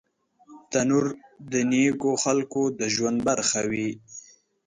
تنور د نیکو خلکو د ژوند برخه وه